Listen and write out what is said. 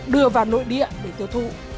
đưa vào nội địa để tiêu thụ